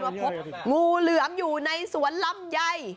พบงูเหลือมอยู่ในสวนลำไย